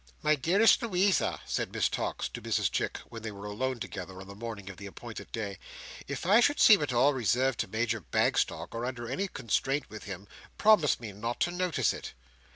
"My dearest Louisa," said Miss Tox to Mrs Chick, when they were alone together, on the morning of the appointed day, "if I should seem at all reserved to Major Bagstock, or under any constraint with him, promise me not to notice it."